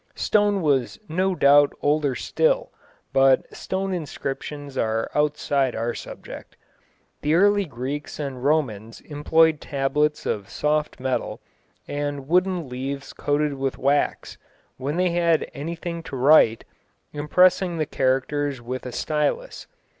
Stone was no doubt older still, but stone inscriptions are outside our subject. The early Greeks and Romans employed tablets of soft metal, and wooden leaves coated with wax, when they had anything to write, impressing the characters with a stilus.